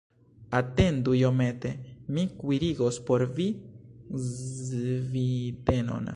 Atendu iomete, mi kuirigos por vi zbitenon!